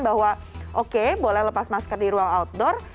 bahwa oke boleh lepas masker di ruang outdoor